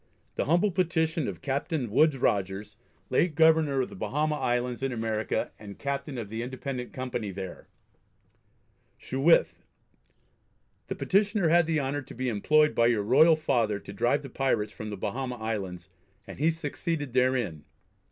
The humble Petition of Captain Woodes Rogers, late Governor of the Bahama Islands in America, and Captain of the Independent Company there, Sheweth: The Petitioner had the honour to be employed by your royal Father to drive the Pirates from the Bahama Islands, and he succeeded therein.